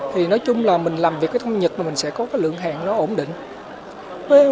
thì nói chung là mình làm việc với công ty nhật mình sẽ có lượng hàng ổn định